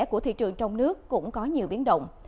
của thị trường trong nước cũng có nhiều biến động